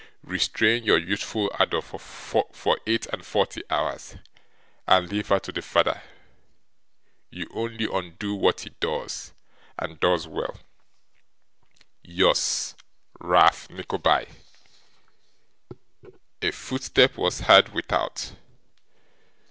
Restrain your youthful ardour for eight and forty hours, and leave her to the father. You only undo what he does, and does well. 'Yours, 'RALPH NICKLEBY.' A footstep was heard without.